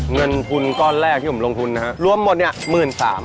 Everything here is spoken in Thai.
เงินทุนก้อนแรกที่ผมลงทุนนะฮะรวมหมดเนี่ย๑๓๐๐บาท